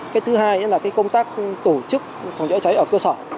cái thứ hai là công tác tổ chức khói cháy ở cơ sở